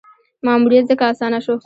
ماموریت ځکه اسانه شو.